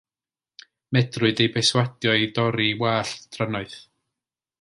Medrwyd ei berswadio i dorri ei wallt drannoeth.